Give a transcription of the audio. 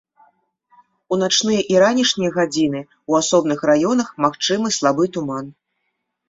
У начныя і ранішнія гадзіны ў асобных раёнах магчымы слабы туман.